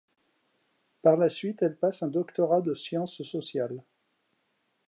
Par la suite, elle passe un doctorat de sciences sociales.